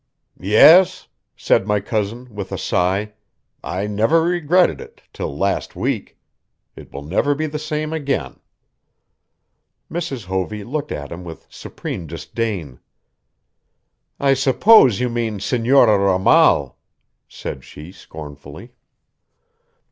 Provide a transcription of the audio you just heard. "Yes," said my cousin, with a sigh, "I never regretted it till last week. It will never be the same again." Mrs. Hovey looked at him with supreme disdain. "I suppose you mean Senora Ramal," said she scornfully.